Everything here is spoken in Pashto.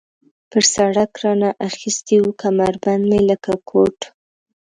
پر سړک را نه اخیستې وه، کمربند مې له کوټ.